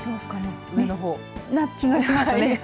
上の方な気がしますね。